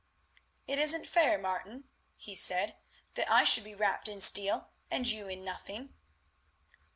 "It isn't fair, Martin," he said, "that I should be wrapped in steel and you in nothing."